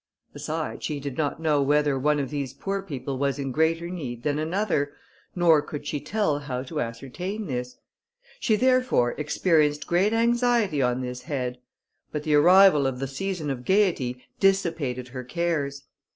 Besides, she did not know whether one of these poor people was in greater need than another, nor could she tell how to ascertain this; she therefore experienced great anxiety on this head; but the arrival of the season of gaiety dissipated her cares.